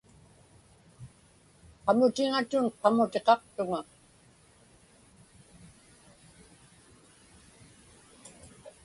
Qamutiŋatun qamutiqaqtuŋa.